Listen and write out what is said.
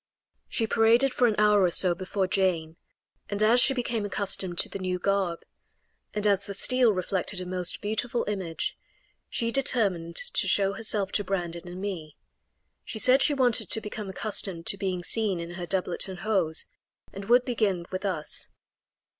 She paraded for an hour or so before Jane, and as she became accustomed to the new garb, and as the steel reflected a most beautiful image, she determined to show herself to Brandon and me. She said she wanted to become accustomed to being seen in her doublet and hose, and would begin with us.